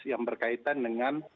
yang berkaitan dengan